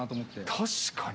確かに。